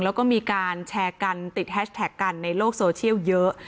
แล้วก็มีการแชร์กันติดแฮชแท็กกันในโลกโซเชียลเยอะ